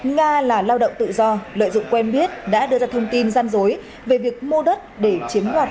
nga là lao động tự do lợi dụng quen biết đã đưa ra thông tin gian dối về việc mua đất để chiếm đoạt